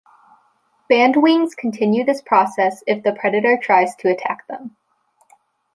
Bandwings continue this process if the predator tries to attack them.